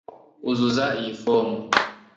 Uzuza iyi fomu